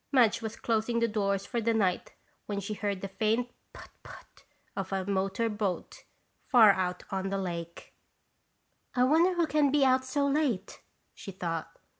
Madge was closing the doors for the night when she heard the faint put put of a motor boat, far out on the lake. "I wonder who can be out so late?" she thought.